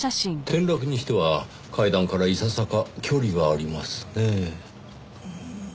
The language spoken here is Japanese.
転落にしては階段からいささか距離がありますねぇ。